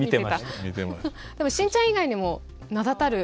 でも信ちゃん以外にも名だたる。